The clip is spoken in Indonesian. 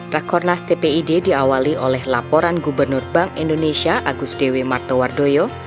rekornas tpid diawali oleh laporan gubernur bank indonesia agus dewi martowardoyo